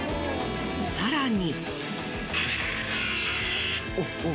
更に。